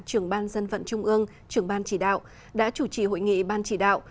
trưởng ban dân vận trung ương trưởng ban chỉ đạo đã chủ trì hội nghị ban chỉ đạo